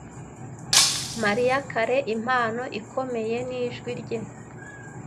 Mariah Carey impano ikomeye ni ijwi rye.